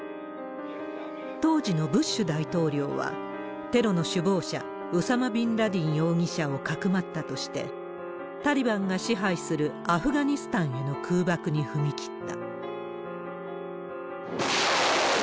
当時のブッシュ大統領は、テロの首謀者、ウサマ・ビンラディン容疑者をかくまったとして、タリバンが支配するアフガニスタンへの空爆に踏み切った。